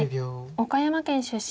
岡山県出身。